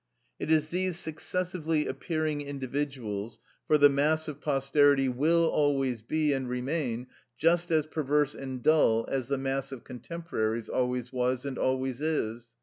It is these successively appearing individuals, for the mass of posterity will always be and remain just as perverse and dull as the mass of contemporaries always was and always is.